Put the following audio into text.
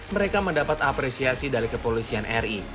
mereka mendapat apresiasi dari kepolisian ri